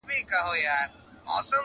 o غل په غره کي ځاى نه لري٫